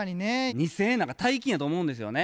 ２，０００円なんか大金やと思うんですよね。